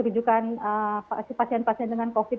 rujukan pasien pasien dengan covid